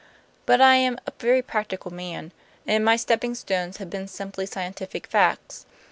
But I am a very practical man; and my stepping stones have been simply scientific facts.